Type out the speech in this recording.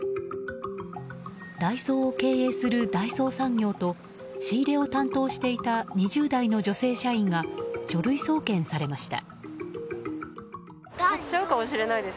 ダイソーを経営する大創産業と仕入れを担当していた２０代の女性社員が書類送検されました。